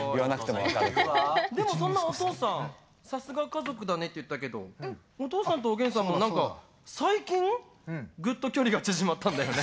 さすが家族だねって言ったけどお父さんとおげんさんも何か最近ぐっと距離が縮まったんだよね？